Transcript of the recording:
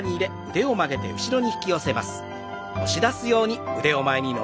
腕を前に伸ばします。